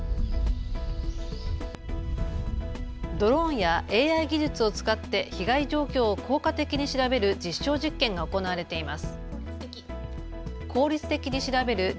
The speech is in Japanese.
ドローンやＡＩ技術を使って被害状況を効率的に調べる実証実験が行われています。